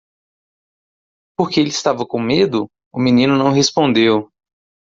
Porque ele estava com medo? o menino não respondeu.